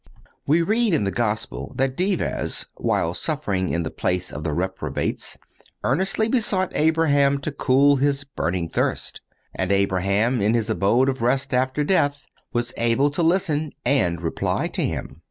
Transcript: (197) We read in the Gospel that Dives, while suffering in the place of the reprobates, earnestly besought Abraham to cool his burning thirst. And Abraham, in his abode of rest after death, was able to listen and reply to him.